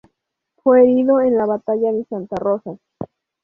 Fue herido en la batalla de Santa Rosa.